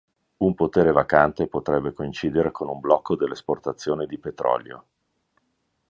Un potere vacante potrebbe coincidere con un blocco delle esportazioni di petrolio.